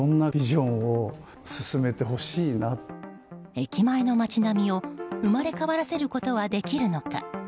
駅前の街並みを生まれ変わらせることはできるのか。